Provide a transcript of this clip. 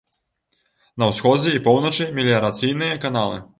На ўсходзе і поўначы меліярацыйныя каналы.